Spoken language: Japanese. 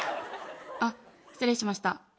あっ失礼しました。